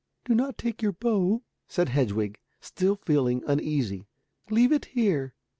"Do not take your bow," said Hedwig, still feeling uneasy. "Leave it here."